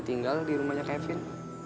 tinggal di rumahnya kevin